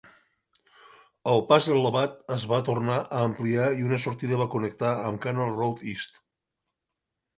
El pas elevat es va tornar a ampliar i una sortida va connectar amb Canal Road East.